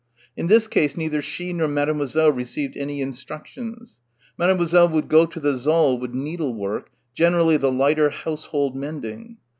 In this case neither she nor Mademoiselle received any instructions. Mademoiselle would go to the saal with needlework, generally the lighter household mending.